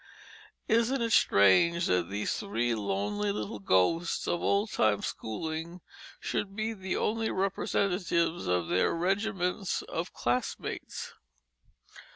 Isn't it strange that these three lonely little ghosts of old time schooling should be the only representatives of their regiments of classmates?